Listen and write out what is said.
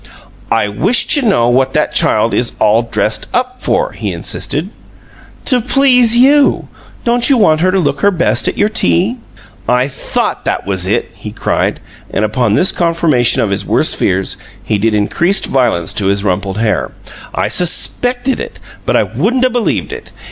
"I wish to know what that child is all dressed up for?" he insisted. "To please you! Don't you want her to look her best at your tea?" "I thought that was it!" he cried, and upon this confirmation of his worst fears he did increased violence to his rumpled hair. "I suspected it, but I wouldn't 'a' believed it!